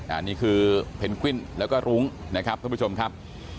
อันนี้คือเพนกวิ้นแล้วก็รุ้งนะครับท่านผู้ชมครับ